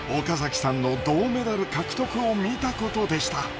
岡崎さんの銅メダル獲得を見たことでした。